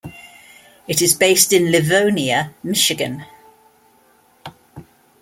It is based in Livonia, Michigan.